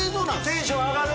テンション上がる！